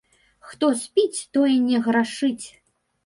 Хто спіць, той не грашыць.